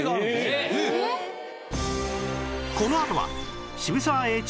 このあとは渋沢栄一